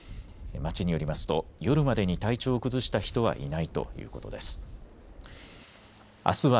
町によりますと、夜までに体調を崩した人はいないということです。